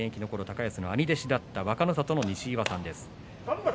高安の兄弟子だった若の里の西岩さんです。